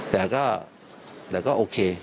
แต่ก็โอเค